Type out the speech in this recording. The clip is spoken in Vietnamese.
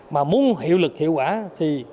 mà muốn hiệu lực hiệu quả thì